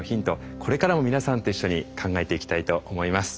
これからも皆さんと一緒に考えていきたいと思います。